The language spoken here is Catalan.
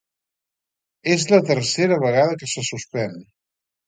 És la tercera vegada que se suspèn.